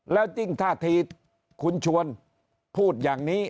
แล้วยิ่งท่าทีคุณชวนพูดอย่างนี้